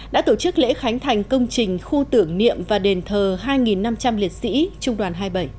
đã tổ chức lễ khánh thành công trình khu tưởng niệm và đền thờ hai năm trăm linh liệt sĩ trung đoàn hai mươi bảy